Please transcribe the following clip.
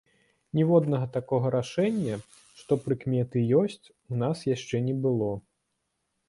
Ніводнага такога рашэння, што прыкметы ёсць, у нас яшчэ не было.